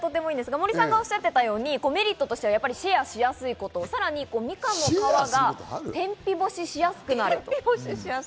森さんがおっしゃっていたように、メリットとしてシェアしやすいこと、さらにみかんの皮が天日干しがしやすくなるんです。